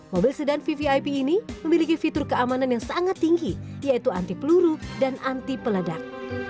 mobil sedan vvip ini memiliki fitur keamanan yang sangat tinggi yaitu anti peluru dan anti peledak